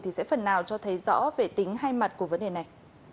thì sẽ phần nào cho thấy rõ về tính hai mặt của vấn đề này